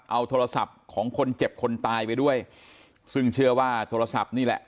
เอาโทรศัพท์ของคนเจ็บคนตายไปด้วยซึ่งเชื่อว่าโทรศัพท์นี่แหละ